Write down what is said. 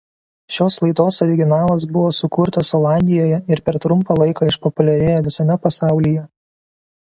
Šios laidos originalas buvo sukurtas Olandijoje ir per trumpą laiką išpopuliarėjo visame pasaulyje.